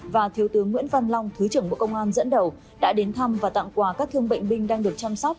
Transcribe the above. và thiếu tướng nguyễn văn long thứ trưởng bộ công an dẫn đầu đã đến thăm và tặng quà các thương bệnh binh đang được chăm sóc